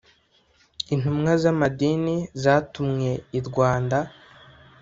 Intumwa z’amadini zatumwe i Rwanda